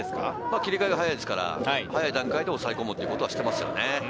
切り替えが早いですから、早い段階で抑え込もうというのはしてますね。